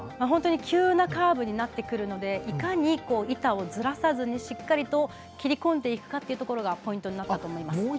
本当に急なカーブになってくるのでいかに板をずらさずにしっかり切り込んでいくかがポイントになったと思います。